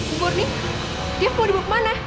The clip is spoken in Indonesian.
ini dia mau dimana